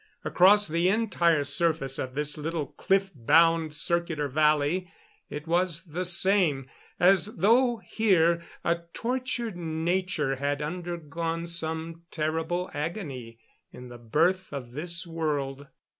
Across the entire surface of this little cliff bound circular valley it was the same, as though here a tortured nature had undergone some terrible agony in the birth of this world.